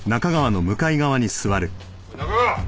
中川！